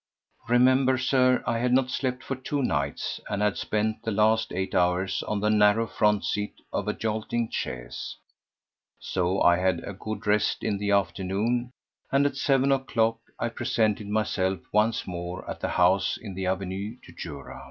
Remember, Sir, I had not slept for two nights and had spent the last eight hours on the narrow front seat of a jolting chaise. So I had a good rest in the afternoon, and at seven o'clock I presented myself once more at the house in the Avenue du Jura.